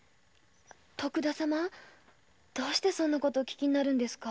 徳田様どうしてそんなことをお訊きになるんですか？